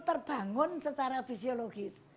terbangun secara fisiologis